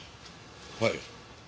はい。